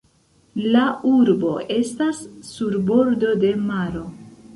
La urbo estas sur bordo de maro.